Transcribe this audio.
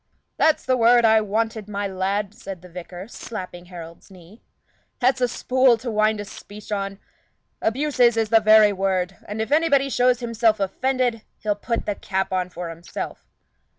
"That's the word I wanted, my lad!" said the vicar, slapping Harold's knee. "That's a spool to wind a speech on. Abuses is the very word; and if anybody shows himself offended, he'll put the cap on for himself."